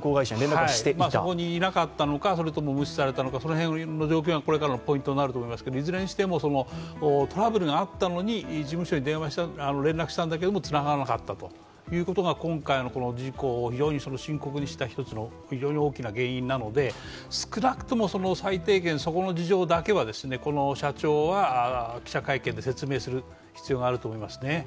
そこにいなかったのか、それとも無視されたのかその辺の状況がこれからのポイントになると思いますけどいずれにしてもトラブルがあったのに事務所に連絡したんだけども、つながらなかったということが今回の事故を非常に深刻にした一つの非常に大きな原因なので少なくとも最低限そこの事情だけは社長は記者会見で説明する必要があると思いますね。